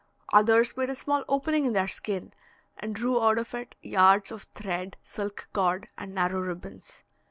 Others made a small opening in their skin, and drew out of it yards of thread, silk cord, and narrow ribbons.